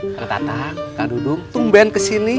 kang tata kang dudung tung ben kesini